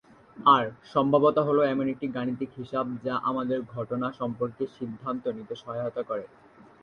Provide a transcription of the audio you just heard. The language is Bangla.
আর 'সম্ভাব্যতা' হলো এমন একটি "গাণিতিক হিসাব" যা আমাদের ঘটনা সম্পর্কে সিদ্ধান্ত নিতে সহায়তা করে।